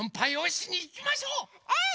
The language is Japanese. うん！